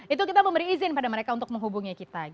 itu kita memberi izin pada mereka untuk menghubungi kita